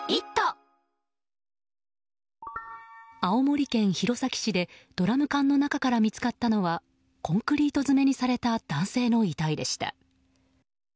青森県弘前市でドラム缶の中から見つかったのはコンクリート詰めにされた男性の遺体でした。